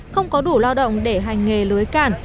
không có đủ lao động để hành nghề lưới cản